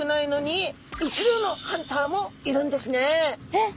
えっ？